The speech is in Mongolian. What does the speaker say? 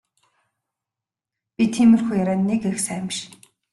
Би тиймэрхүү ярианд нэг их сайн биш.